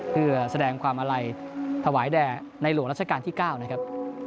เพื่อแสดงความอาลัยถวายแด่ในหลวงรัชกาลที่๙นะครับ